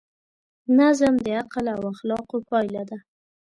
نظم د عقل او اخلاقو پایله ده.